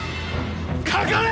かかれ！